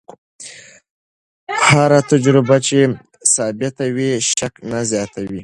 هره تجربه چې ثابته وي، شک نه زیاتوي.